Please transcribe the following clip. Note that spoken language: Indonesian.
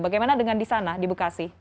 bagaimana dengan di sana di bekasi